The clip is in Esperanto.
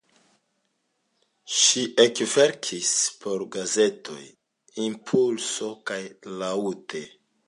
Ŝi ekverkis por gazetoj "Impulso" kaj "Laŭte".